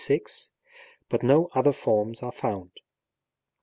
36), but no other forms are found.